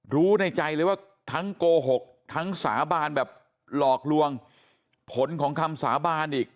รู้ในใจเลยว่าทั้งโกหกทั้งสาบานแบบหลอกลวงผลของคำสาบานอีก